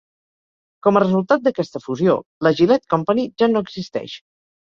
Com a resultat d'aquesta fusió, la Gillette Company ja no existeix.